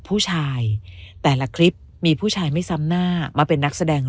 ผู้ชายแต่ละคลิปมีผู้ชายไม่ซ้ำหน้ามาเป็นนักแสดง